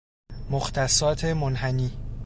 مختصات منحنی